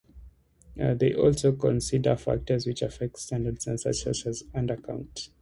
They also consider factors which affect the standard census such as undercount.